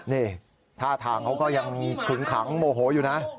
นี่ท่าทางเขาก็ยังขึงขังโมโหอยู่นะ